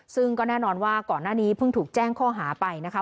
ซึ่งก็แน่นอนว่าก่อนหน้านี้เพิ่งถูกแจ้งข้อหาไปนะคะ